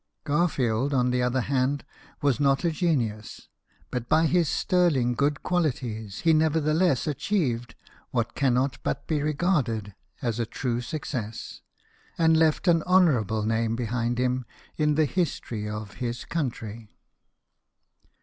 Garfield, on the other hand, was not a genius ; but by his sterling good qualities he nevertheless achieved what cannot but be regarded as a true success, and left an honourable name behind him in the history of his country.